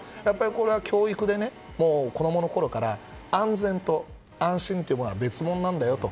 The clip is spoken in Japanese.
これは教育で、子供のころから安全と安心というものは別物なんだよと。